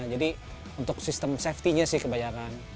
jadi untuk sistem safety nya sih kebanyakan